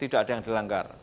tidak ada yang dilanggar